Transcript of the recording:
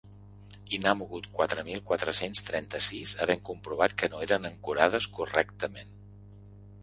I n’ha mogut quatre mil quatre-cents trenta-sis havent comprovat que no eren ancorades correctament.